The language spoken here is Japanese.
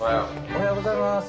おはようございます。